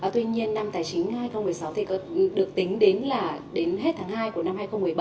tuy nhiên năm tài chính hai nghìn một mươi sáu thì được tính đến là đến hết tháng hai của năm hai nghìn một mươi bảy